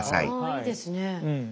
いいですね。